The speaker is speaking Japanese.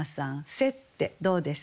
「背」ってどうですか？